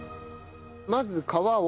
まず皮を。